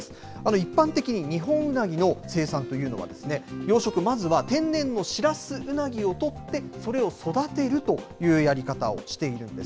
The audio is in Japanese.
一般的にニホンウナギの生産というのは、養殖、まずは天然のシラスウナギを取って、それを育てるというやり方をしているんです。